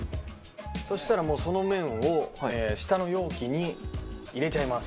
そしたらその麺を下の容器に入れちゃいます。